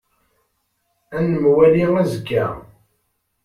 Ad nemwali azekka.